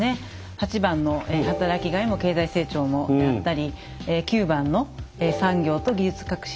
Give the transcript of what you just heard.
８番の「働きがいも経済成長も」であったり９番の「産業と技術革新の基盤をつくろう」。